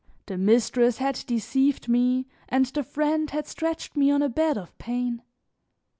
The mistress had deceived me and the friend had stretched me on a bed of pain.